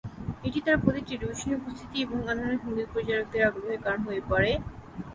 এটি তার প্রতি টেলিভিশনের উপস্থিতি এবং অন্যান্য সংগীত পরিচালকদের আগ্রহের কারণ হয়ে পড়ে।